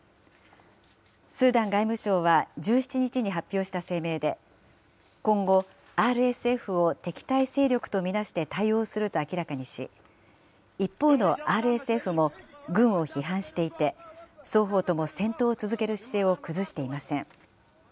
スーダン外務省は１７日に発表した声明で、今後、ＲＳＦを敵対勢力と見なして対応すると明らかにし、一方のＲＳＦも軍を批判していて、双方とも戦闘を続ける姿勢を崩していません。